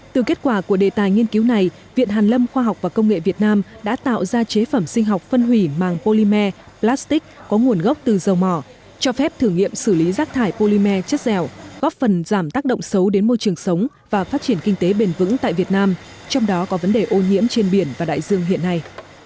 từ kết quả của đề tài nghiên cứu này viện hàn lâm khoa học và công nghệ việt nam đã tạo ra chế phẩm sinh học phân hủy màng polymer plastic có nguồn gốc từ dầu mỏ cho phép thử nghiệm xử lý rác thải polymer chất dẻo góp phần giảm tác động xấu đến môi trường sống và phát triển kinh tế bền vững tại việt nam trong đó có vấn đề ô nhiễm trên biển và đại dương hiện nay